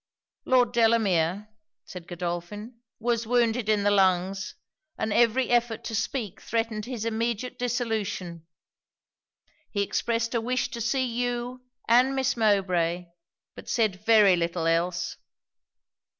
'Lord Delamere,' said Godolphin, 'was wounded in the lungs, and every effort to speak threatened his immediate dissolution. He expressed a wish to see you and Miss Mowbray; but said very little else.'